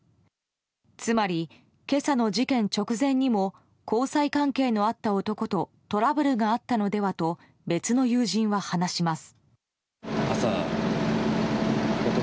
つまり、今朝の事件直前にも交際関係のあった男とトラブルがあったのではと別の友人は話します。